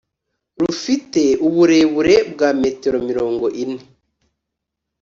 rufite uburebure bwa metero mirongo ine